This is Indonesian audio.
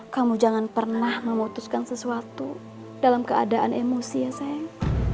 kamu jangan pernah memutuskan sesuatu dalam keadaan emosi ya sayang